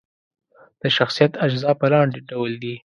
د شخصیت اجزا په لاندې ډول دي: